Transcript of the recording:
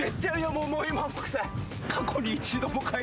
もうもう今も臭い。